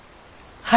はい。